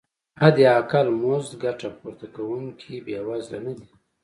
حداقل مزد ګټه پورته کوونکي بې وزله نه دي.